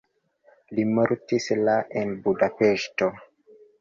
Li mortis la en Budapeŝto.